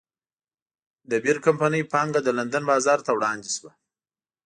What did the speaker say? د بیر کمپنۍ پانګه د لندن بازار ته وړاندې شوه.